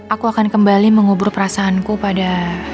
aku akan kembali mengubur perasaanku pada